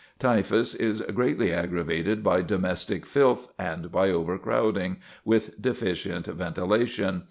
Typhus is greatly aggravated by domestic filth, and by overcrowding, with deficient ventilation.